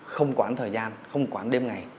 không quán thời gian không quán đêm ngày